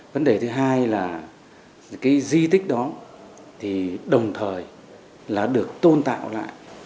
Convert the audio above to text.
vấn đề thứ hai là cái di tích đó thì đồng thời là được tôn tạo lại